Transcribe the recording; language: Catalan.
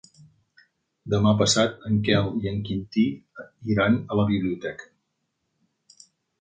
Demà passat en Quel i en Quintí iran a la biblioteca.